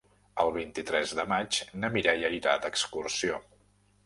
El vint-i-tres de maig na Mireia irà d'excursió.